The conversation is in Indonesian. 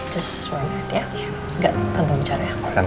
just ya enggak tentu bicara tentang